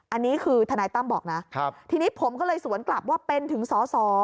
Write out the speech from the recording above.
อันนี้คือทนายตั้มบอกนะทีนี้ผมก็เลยสวนกลับว่าเป็นถึงสอสอ